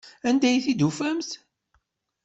Anda ay t-id-tufamt?